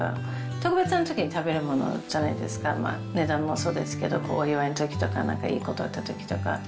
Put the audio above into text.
特別なときに食べるものじゃないですか、値段もそうですけど、お祝いのときとか、何かいいことあったときとか。